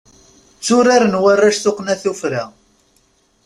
Tturaren warrac tuqqna tuffra.